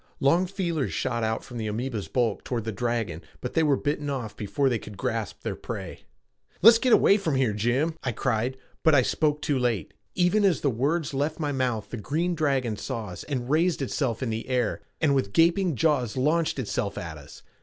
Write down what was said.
Long feelers shot out from the amoeba's bulk toward the dragon but they were bitten off before they could grasp their prey. "Let's get away from here, Jim," I cried, but I spoke too late. Even as the words left my mouth the green dragon saw us and raised itself in the air, and with gaping jaws launched itself at us.